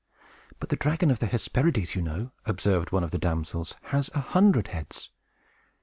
"But the dragon of the Hesperides, you know," observed one of the damsels, "has a hundred heads!"